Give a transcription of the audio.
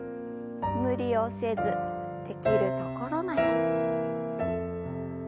無理をせずできるところまで。